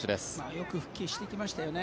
よく復帰してきましたね